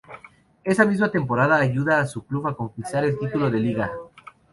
Esa misma temporada ayuda a su club a conquistar el título de Liga.